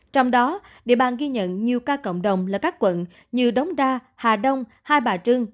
trong đó địa bàn ghi nhận nhiều ca cộng đồng là các quận như đống đa hà đông hai bà trưng